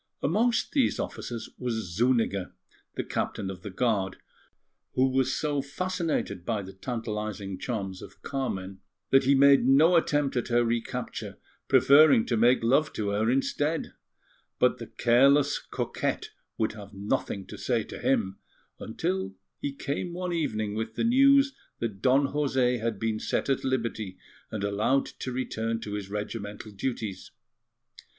Amongst these officers was Zuniga, the Captain of the Guard, who was so fascinated by the tantalizing charms of Carmen that he made no attempt at her recapture, preferring to make love to her instead; but the careless coquette would have nothing to say to him, until he came one evening with the news that Don José had been set at liberty and allowed to return to his regimental duties.